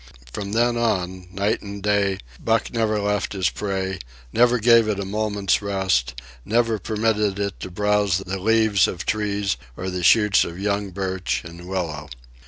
From then on, night and day, Buck never left his prey, never gave it a moment's rest, never permitted it to browse the leaves of trees or the shoots of young birch and willow.